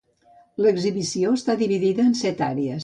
L'exhibició està dividida en set àrees.